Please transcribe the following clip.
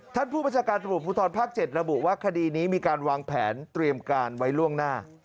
ผู้บัญชาการตำรวจภูทรภาค๗ระบุว่าคดีนี้มีการวางแผนเตรียมการไว้ล่วงหน้า